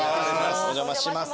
お邪魔します。